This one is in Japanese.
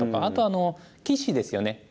あと棋士ですよね。